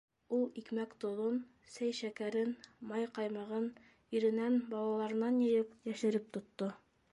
Ул икмәк-тоҙон, сәй-шәкәрен, май-ҡаймағын иренән, балаларынан йыйып, йәшереп тотто.